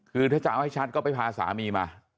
คือถ้าจะเอาให้ชัดก็ไปพาสามีมา